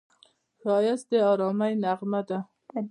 ښایست د ارامۍ نغمه ده